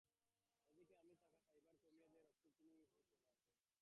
এদিকে আমে থাকা ফাইবার কমিয়ে দেয় রক্তে চিনি শোষিত হওয়ার হার।